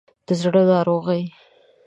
د زړه ناروغي